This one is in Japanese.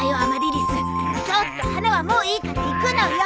ちょっと花はもういいから行くのよ！